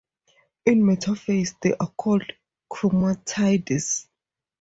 In metaphase, they are called chromatids.